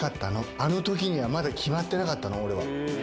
あのときにはまだ決まってなかったの、俺は。